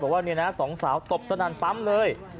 บอกว่าสองสาวตบสนานปั๊มเลย